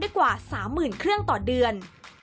กว่า๓๐๐๐เครื่องต่อเดือน